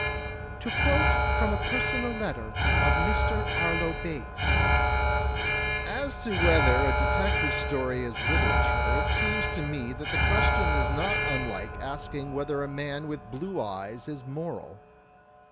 To quote from a personal letter of Mr. Arlo Bates: "As to whether a Detective Story is literature, it seems to me that the question is not imlike asking whether a man with blue eyes is moral.